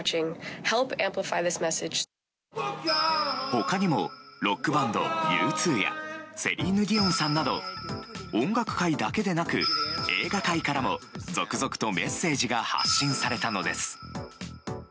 他にもロックバンド、Ｕ２やセリーヌ・ディオンさんなど音楽界だけでなく映画界からも続々とメッセージが発信されたのです。